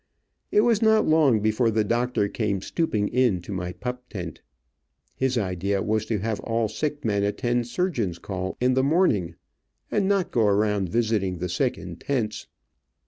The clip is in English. It was not long before the doctor came stooping in to my pup tent. His idea was to have all sick men attend surgeon's call in the morning, and not go around visiting the sick in tents.